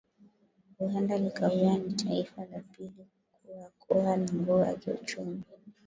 Uhenda likawa ni taifa la pili kwa kuwa na nguvu ya kiuchumu